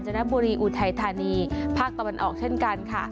จนบุรีอุทัยธานีภาคตะวันออกเช่นกันค่ะ